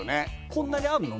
こんなにあるの？